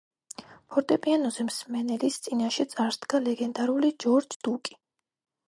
ფორტეპიანოზე მსმენელის წინაშე წარსდგა ლეგენდარული ჯორჯ დუკი.